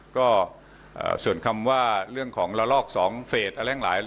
ก็ส่วนคำว่าเรื่องของละลอก๒เฟสอะไรทั้งหลาย